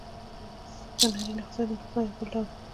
نفیسي هنري نسخې د نسخو يو بل ډول دﺉ.